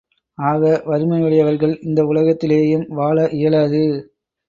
ஆக, வறுமையுடையவர்கள் இந்த உலகத்திலேயும் வாழ இயலாது!